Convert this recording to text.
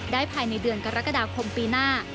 ภายในเดือนกรกฎาคมปีหน้า